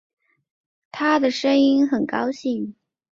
她的声音好高兴